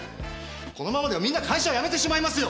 このままではみんな会社を辞めてしまいますよ！